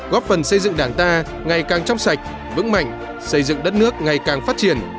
góp phần xây dựng đảng ta ngày càng trong sạch vững mạnh xây dựng đất nước ngày càng phát triển